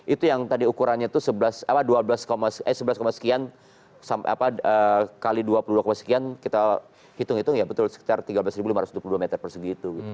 itu yang tadi ukurannya itu sebelas sekian kali dua puluh dua sekian kita hitung hitung ya betul sekitar tiga belas lima ratus dua puluh dua meter persegi itu